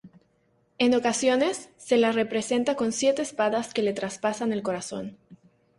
En ocasiones, se la representa con siete espadas que le traspasan el corazón.